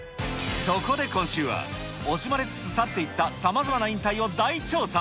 そこで今週は、惜しまれつつ去っていったさまざまな引退を大調査。